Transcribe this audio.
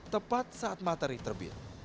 tepat saat materi terbit